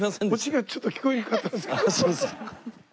あっそうですか。